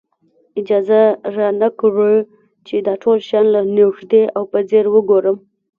اجازه را نه کړي چې دا ټول شیان له نږدې او په ځیر وګورم.